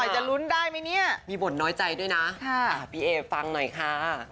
เขาลุ้นมาแล้วนะครับมีบทน้อยใจด้วยนะพี่เอ๋ฟฟังหน่อยค่ะ